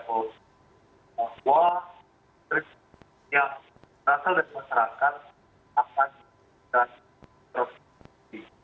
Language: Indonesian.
bahwa kritik yang berasal dari masyarakat akan terhubung